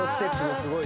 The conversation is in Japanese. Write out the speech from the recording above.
すごいね！